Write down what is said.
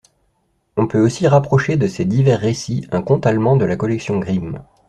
On peut aussi rapprocher de ces divers récits un conte allemand de la collection Grimm.